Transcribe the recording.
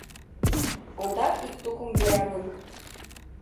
Ондак ик тукым вераҥын.